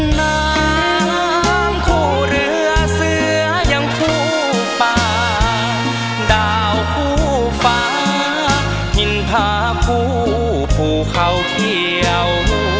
น้ำคู่เรือเสือยังคู่ป่าดาวคู่ฟ้าหินพาคู่ภูเขาเขียว